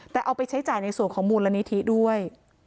แต่เอาไปใช้จ่ายในส่วนของมูลนิธิด้วย